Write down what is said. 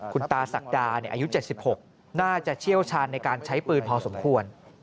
คุณตาศักดาอายุ๗๖น่าจะเชี่ยวชาญในการใช้ปืนพอสมควร